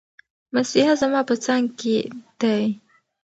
مسیحا زما په څنګ کې دی.